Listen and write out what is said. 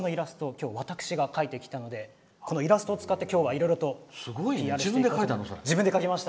今日、私が描いてきたのでこのイラストを使っていろいろとＰＲしていきます。